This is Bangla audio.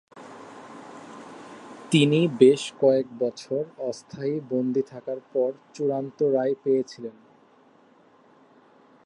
তিনি বেশ কয়েক বছর অস্থায়ী বন্দী থাকার পর চূড়ান্ত রায় পেয়েছিলেন।